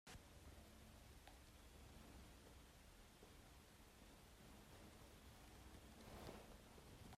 Philh bak hlah mu?